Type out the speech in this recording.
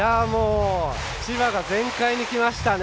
千葉が全開にきましたね。